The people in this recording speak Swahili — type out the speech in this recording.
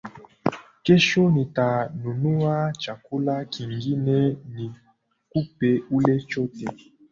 Kesho nitanunua chakula kingine nikupe ule chote.